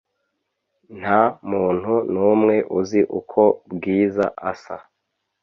Nta muntu n'umwe uzi uko Bwiza asa .